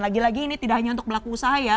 lagi lagi ini tidak hanya untuk pelaku usaha ya